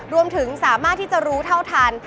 รวมถึงสามารถที่จะรู้เท่าทัน